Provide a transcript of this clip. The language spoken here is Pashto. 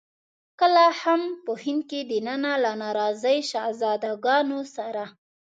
کله هم په هند کې دننه له ناراضي شهزاده ګانو سره.